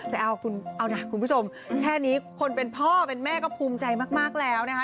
แต่เอานะคุณผู้ชมแค่นี้คนเป็นพ่อเป็นแม่ก็ภูมิใจมากแล้วนะคะ